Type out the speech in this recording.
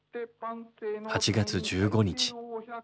８月１５日。